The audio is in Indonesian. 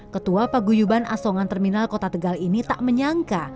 ketua paguyuban asongan terminal kota tegal ini tak menyangka